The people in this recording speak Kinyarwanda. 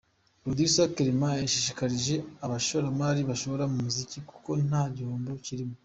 Producer Clement yashishikarije abashoramari gushora mu muziki kuko nta gihombo kirimo.